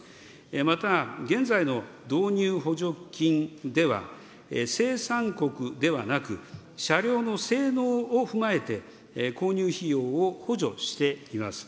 また、現在の導入補助金では、生産国ではなく、車両の性能を踏まえて、購入費用を補助しています。